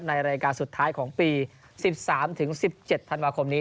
ในรายการสุดท้ายของปี๑๓๑๗ธันวาคมนี้